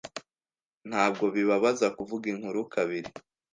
Ntabwo bibabaza kuvuga inkuru kabiri.